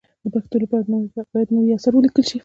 د پښتو لپاره باید نوي اثار ولیکل شي.